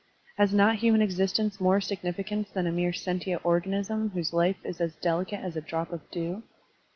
Has not human existence more significance than a mere sentient organism whose life is as delicate as a drop of dew?